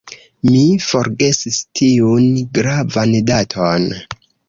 Mi forgesis tiun gravan daton.